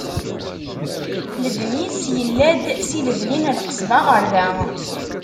Lebni-s yella-d si lebni n Lqesba ɣer da.